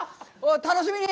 楽しみに！